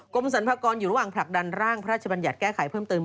กรมสรรพากรอยู่ระหว่างผลักดันร่างพระราชบัญญัติแก้ไขเพิ่มเติม